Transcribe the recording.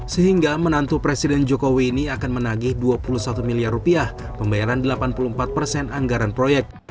sehingga menantu presiden jokowi ini akan menagih dua puluh satu miliar rupiah pembayaran delapan puluh empat persen anggaran proyek